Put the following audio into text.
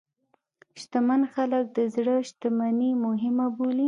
شتمن خلک د زړه شتمني مهمه بولي.